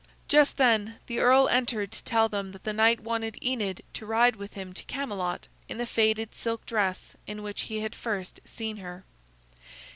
Just then the earl entered to tell them that the knight wanted Enid to ride with him to Camelot in the faded silk dress in which he had first seen her.